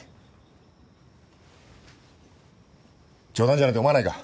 冗談じゃないと思わないか？